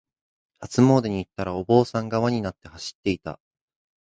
初詣に行ったら、お坊さんが輪になって走っていた。